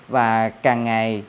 và càng ngày